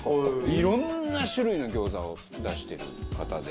いろんな種類の餃子を出してる方で。